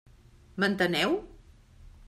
M'enteneu?